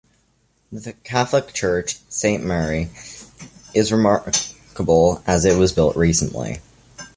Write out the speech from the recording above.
The Catholic Church "Saint Marien" is remarkable as it was built recently.